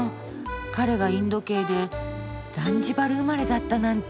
彼がインド系でザンジバル生まれだったなんて。